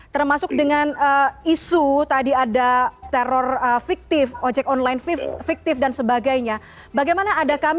termasuk dengan isu tadi ada teror fiktif ojek online fiktif dan sebagainya